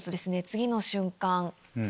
次の瞬間。